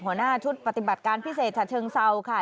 หัวหน้าชุดปฏิบัติการพิเศษฉะเชิงเซาค่ะ